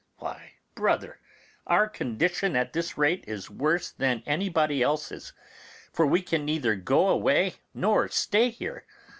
Why, brother, our condition at this rate is worse than anybody else's, for we can neither go away nor stay here.